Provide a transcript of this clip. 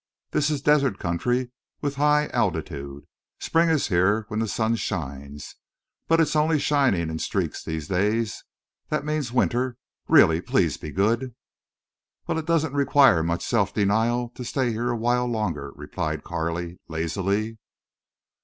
"This is desert country with high altitude. Spring is here when the sun shines. But it's only shinin' in streaks these days. That means winter, really. Please be good." "Well, it doesn't require much self denial to stay here awhile longer," replied Carley, lazily.